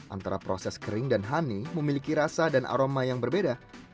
antara proses kering dan honey memiliki rasa dan aroma yang berbeda